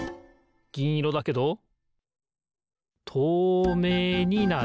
ぎんいろだけどとうめいになる。